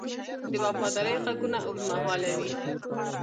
د وفادارۍ ږغونه اوږدمهاله وي.